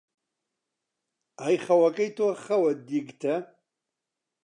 ئەی خەوەکەی تۆ خەوە دیگتە،